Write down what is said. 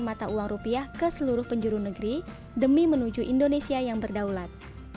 mata uang rupiah ke seluruh penjuru negeri demi menuju indonesia yang berdaulat